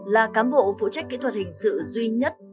là cán bộ phụ trách kỹ thuật hình sự duy nhất